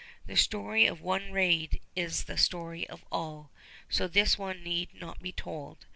The story of one raid is the story of all; so this one need not be told.